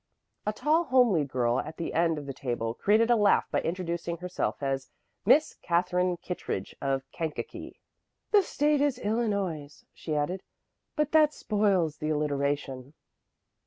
A tall, homely girl at the end of the table created a laugh by introducing herself as Miss Katherine Kittredge of Kankakee. "The state is Illinois," she added, "but that spoils the alliteration."